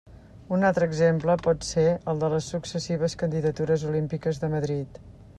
Un altre exemple pot ser el de les successives candidatures olímpiques de Madrid.